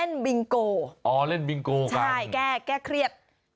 นกน้อย